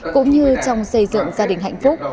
cũng như trong xây dựng gia đình hạnh phúc